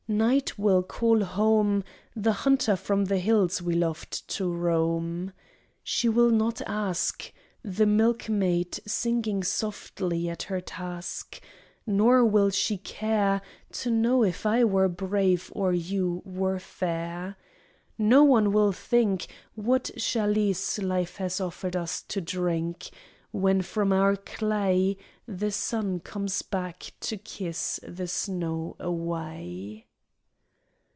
Night will call home The hunter from the hills we loved to roam. She will not ask, The milkmaid, singing softly at her task, Nor will she care To know if I were brave or you were fair. No one will think What chalice life had offered us to drink, When from our clay The sun comes back to kiss the snow away.